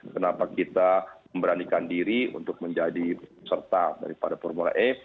kenapa kita memberanikan diri untuk menjadi peserta daripada formula e